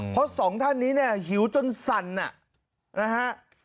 เพราะสองท่านนี้หิวจนสั่นน่ะนะฮะ